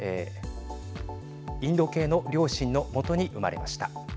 インド系の両親のもとに生まれました。